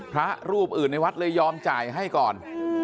พระรูปอื่นในวัดเลยยอมจ่ายให้ก่อน